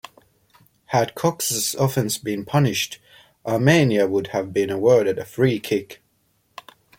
Had Cox's offence been punished, Armenia would have been awarded a free-kick.